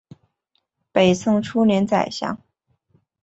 北宋初年宰相。